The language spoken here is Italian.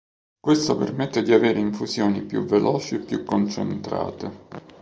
Questo permette di avere infusioni più veloci e più concentrate.